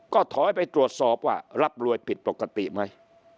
ก็ถอยไปตรวจสอบว่ารับรวยผิดปกติไหม